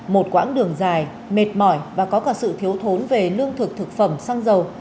một quãng đường dài mệt mỏi và có cả sự thiếu thốn về lương thực thực phẩm xăng dầu